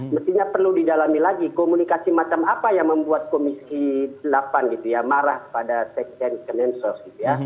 mestinya perlu didalami lagi komunikasi macam apa yang membuat komisi delapan marah pada sekjen ke mensos